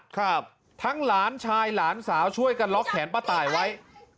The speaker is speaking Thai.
ครับทั้งหลานชายหลานสาวช่วยกันล็อกแขนป้าตายไว้